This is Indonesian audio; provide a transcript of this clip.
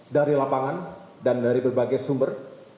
dari lapangan dan dari berbagai sumber